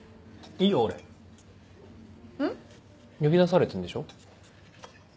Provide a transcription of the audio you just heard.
呼び出されてるんでしょ。